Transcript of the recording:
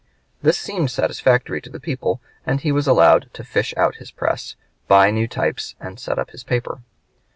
This seemed satisfactory to the people, and he was allowed to fish out his press, buy new types, and set up his paper.